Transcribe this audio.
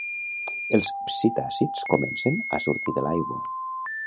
Els psitàcids comencen a sortir de l'aigua.